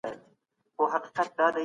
پرمختللې ټولنې دا توازن ساتي.